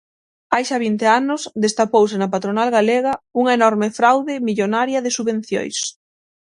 Hai xa vinte anos, destapouse na patronal galega unha enorme fraude millonaria de subvencións.